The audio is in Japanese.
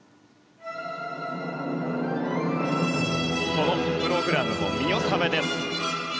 このプログラムも見納めです。